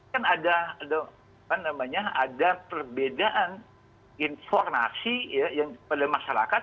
kan ada apa namanya ada perbedaan informasi pada masyarakat